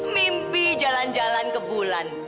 mimpi jalan jalan ke bulan